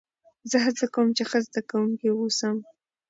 زه هڅه کوم، چي ښه زدهکوونکی واوسم.